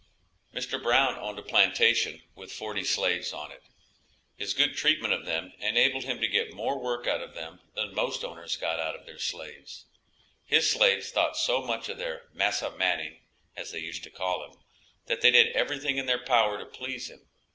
Mr. Brown owned a plantation with forty slaves on it; his good treatment of them enabled him to get more work out of them than most owners got out of their slaves. His slaves thought so much of their "Massa Manning," as they used to call him, that they did everything in their power to please him.